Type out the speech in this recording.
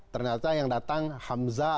ternyata yang datang hamzah